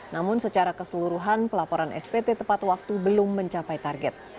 namun secara keseluruhan pelaporan spt tepat waktu belum mencapai target